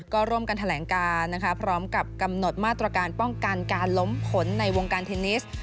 ก็ร่วมกันแถลงการนะคะพร้อมกับกำหนดมาตรการป้องกันการล้มผลในวงการเทนนิส